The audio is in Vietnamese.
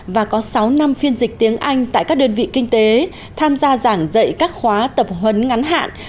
và có sáu năm phiên dịch tiếng anh tại các đơn vị kinh tế tham gia giảng dạy các khóa tập huấn ngắn hạn